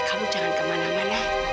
kamu jangan kemana mana